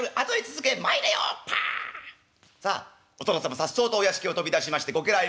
さあお殿様さっそうとお屋敷を飛び出しましてご家来